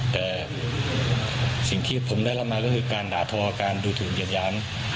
แต่สิ่งที่ผมได้ลำมาก็คือการด่าทอการดูถูกยันยั้น